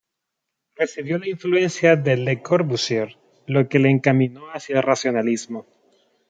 Recibió la influencia de Le Corbusier, lo que le encaminó hacia el racionalismo.